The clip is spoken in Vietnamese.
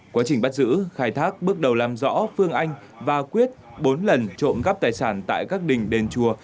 quá trình bắt giữ khai thác bước đầu làm rõ phương anh và quyết bốn lần trộm cắp tài sản tại các đình đền chùa